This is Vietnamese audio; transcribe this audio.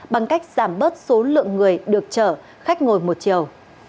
bằng cách giảm bớt số lượng người được chở khách ngồi một chiều